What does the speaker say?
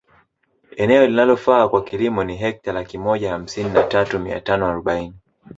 Eneo linalofaa kwa kilimo ni hekta laki moja hamsini na tatu mia tano arobaini